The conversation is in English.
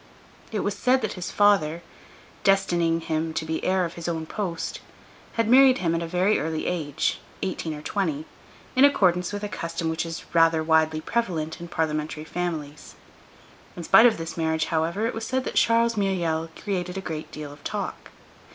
It was said that his father, destining him to be the heir of his own post, had married him at a very early age, eighteen or twenty, in accordance with a custom which is rather widely prevalent in parliamentary families. In spite of this marriage, however, it was said that Charles Myriel created a great deal of talk.